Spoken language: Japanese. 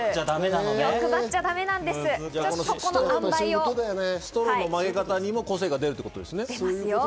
欲張っちストローの曲げ方にも個性が出るってことですね。